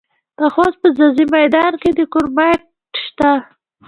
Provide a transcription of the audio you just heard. د خوست په ځاځي میدان کې کرومایټ شته.